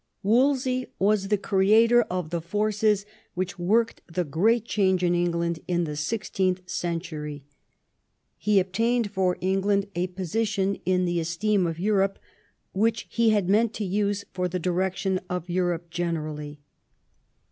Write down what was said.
Wolsey was the creator of the forces which worked ^he great change in England in the sixteenth century. He obtained for England a position in the esteem of Europe which he had meant to use for the direction of Europe generally.